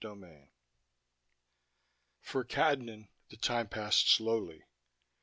19 For Cadnan, the time passed slowly.